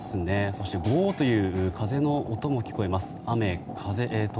そしてゴーッという風の音も聞こえます。